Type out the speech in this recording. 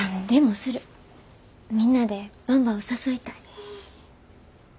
みんなでばんばを誘いたい。